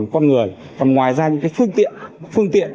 con người còn ngoài ra những phương tiện